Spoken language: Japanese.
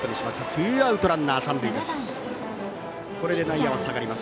ツーアウトランナー、三塁です。